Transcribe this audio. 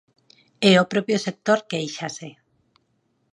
E o propio sector quéixase.